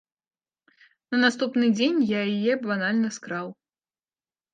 На наступны дзень я яе банальна скраў.